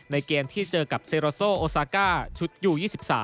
เกมที่เจอกับเซโรโซโอซาก้าชุดยู๒๓